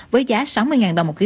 với giá sáu mươi đồng một kg